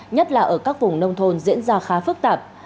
nhất là ở các vùng nông thôn diễn ra khá phức tạp